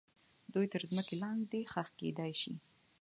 دوی تر مځکې لاندې ښخ کیدای سي.